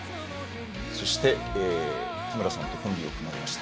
そして田村さんとコンビを組まれました